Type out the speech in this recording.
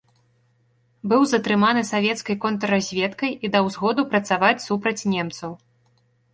Быў затрыманы савецкай контрразведкай і даў згоду працаваць супраць немцаў.